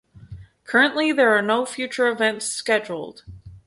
Currently there are no future events scheduled.